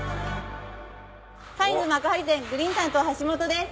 カインズ幕張店グリーン担当橋本です。